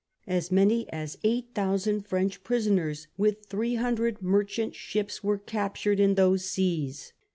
As many as eight thousand French prisoners, with three hundred merchant ships, were captured in those seas.